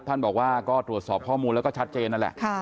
ท่านบอกว่าก็ตรวจสอบข้อมูลแล้วก็ชัดเจนนั่นแหละ